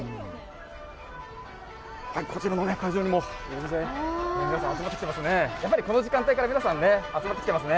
こちらの会場にも大勢、皆さん集まってきていますね。